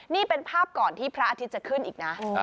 นี่เป็นภาพก่อนที่พระอาทิตย์จะขึ้นอีกนะ